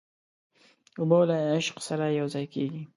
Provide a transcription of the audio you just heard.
اوبه له عشق سره یوځای کېږي.